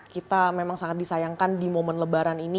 kita memang sangat disayangkan di momen lebaran ini